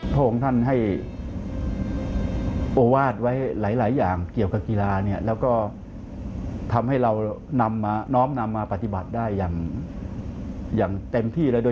พระองค์ท่านให้โอวาสไว้หลายอย่างเกี่ยวกับกีฬาเนี่ยแล้วก็ทำให้เรานำมาน้อมนำมาปฏิบัติได้อย่างเต็มที่เลยโดย